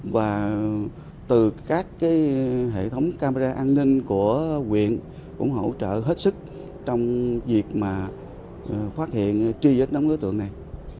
và từ các hệ thống camera an ninh của huyện cũng hỗ trợ hết sức trong việc phát hiện tri dịch đóng đối tượng này